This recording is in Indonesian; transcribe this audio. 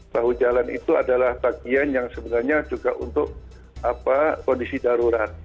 bahu jalan itu adalah bagian yang sebenarnya juga untuk kondisi darurat